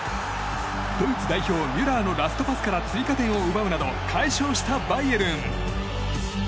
ドイツ代表、ミュラーのラストパスから追加点を奪うなど快勝したバイエルン。